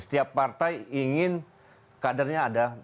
setiap partai ingin kadernya ada